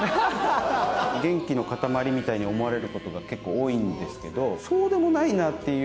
元気の塊みたいに思われることが結構多いんですけどそうでもないなっていう。